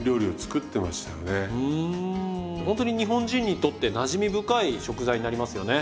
ほんとに日本人にとってなじみ深い食材になりますよね。